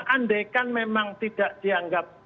andai kan memang tidak dianggap